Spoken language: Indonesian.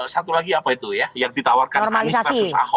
satu lagi apa itu ya yang ditawarkan anies versus ahok